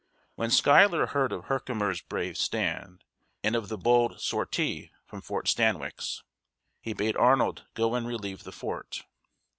When Schuyler heard of Herkimer's brave stand, and of the bold sortie from Fort Stanwix, he bade Arnold go and relieve the fort.